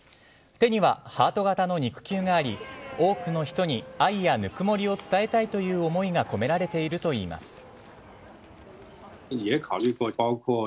手にはハート形の肉球があり多くの人に愛やぬくもりを伝えたいという思いが込められているといいます。